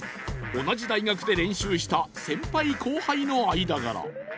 同じ大学で練習した先輩後輩の間柄。